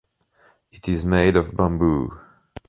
It is made of bamboo.